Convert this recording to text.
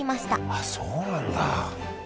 あっそうなんだ。